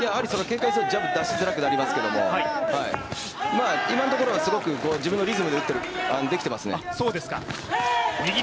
ジャブ出しづらくなりますけど今のところはすごく自分のリズムでできていますね。